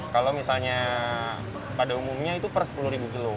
kalau misalnya pada umumnya itu per sepuluh kilo